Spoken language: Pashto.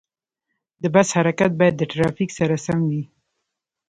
د بس حرکت باید د ترافیک سره سم وي.